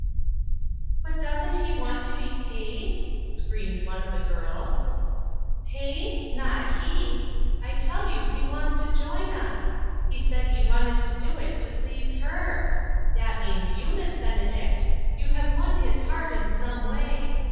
"But doesn't he want to be paid?" screamed one of the girls. " Paid ? not he ! I tell you he wants to join us. He said he wanted to do it to please her. That means you, Miss Benedict. You have won his heart in some way.